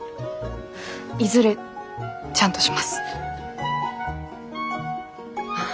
いずれちゃんとします。